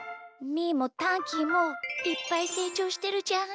みーもタンキーもいっぱいせいちょうしてるじゃん。